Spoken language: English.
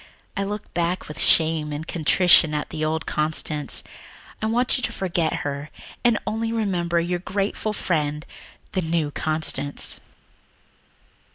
I look back with shame and contrition on the old Constance. I want you to forget her and only remember your grateful friend, the new Constance."